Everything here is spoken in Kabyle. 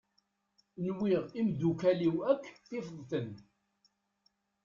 Nwiɣ imeddukal-iw akk tifeḍ-ten.